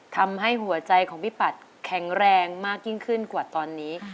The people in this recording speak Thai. ทำให้หัวใจของพี่ปัดแข็งแรงมากยิ่งขึ้นกว่าตอนนี้